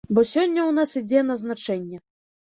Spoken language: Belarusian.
Бо сёння ў нас ідзе назначэнне.